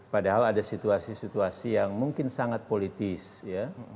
padahal ada situasi situasi yang mungkin sangat politis ya